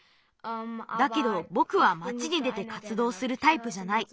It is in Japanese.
だけどぼくはまちに出てかつどうするタイプじゃない。